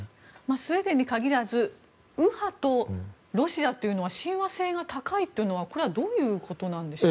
スウェーデンに限らず右派とロシアというのは親和性が高いというのはどういうことなんでしょう。